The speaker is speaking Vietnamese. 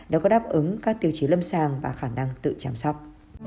đã có đáp ứng các tiêu chí lâm sàng và khả năng tự chăm sóc